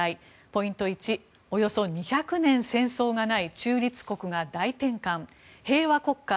ポイント１、およそ２００年戦争がない中立国が大転換平和国家